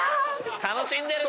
楽しんでるね！